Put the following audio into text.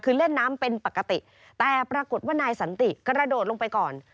คือเล่นน้ำเป็นปกติแต่ปรากฏว่านายสันติกระโดดลงไปก่อน